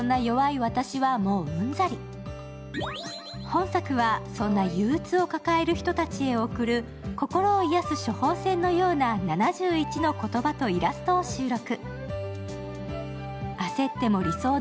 本作はそんな憂鬱を抱える人たちへ贈る、心を癒やす処方箋のような７１の言葉とイラストを収録。